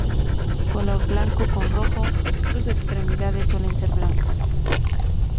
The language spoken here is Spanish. Color blanco con rojo, sus extremidades suelen ser blancas.